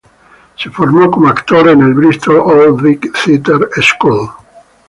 Se formó como actor en la Bristol Old Vic Theatre School.